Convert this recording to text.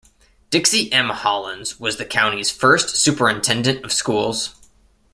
Dixie M. Hollins was the county's first superintendent of schools.